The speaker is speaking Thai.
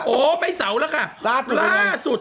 โอ้ไม่เสาแล้วค่ะล่าสุด